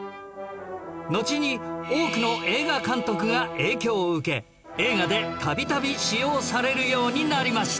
のちに多くの映画監督が影響を受け映画で度々使用されるようになりました